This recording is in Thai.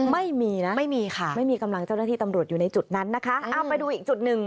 ไม่มีนะไม่มีค่ะไม่มีกำลังเจ้าหน้าที่ตำรวจอยู่ในจุดนั้นนะคะเอาไปดูอีกจุดหนึ่ง